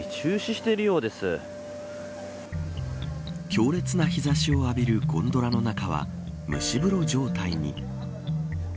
強烈な日差しを浴びるゴンドラの中は蒸し風呂状態に。